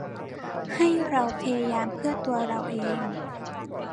ให้เราพยายามเพื่อตัวเราเอง